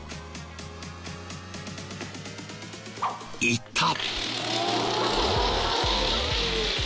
いった！